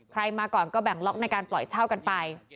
มาก่อนก็แบ่งล็อกในการปล่อยเช่ากันไป